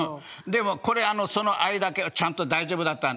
でもこれあのその愛だけはちゃんと大丈夫だった。